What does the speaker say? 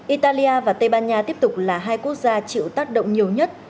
italia và tây ban nha tiếp tục là hai quốc gia chịu tác động nhiều nhất